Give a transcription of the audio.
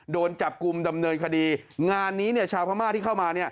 โดนจับกลุ่มดำเนินคดีงานนี้ชาวพม่าที่เข้ามา